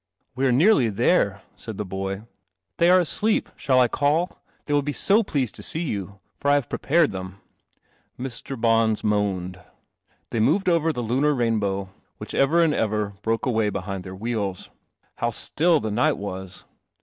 " We are nearly there," said the boy. " They are asleep. Shall I call ? They will be so pleased to see you, for I have prepared them." Mr. Bons moaned. They moved over the lunar rainbow, which ever and ever broke away behind their wheels. How still the night was!